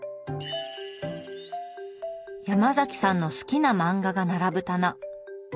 ヤマザキさんの好きな漫画が並ぶ棚。